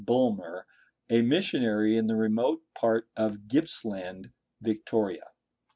Bulmer, a missionary in a remote part of Gippsland, Victoria.